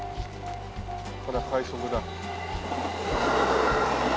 これは快速だ。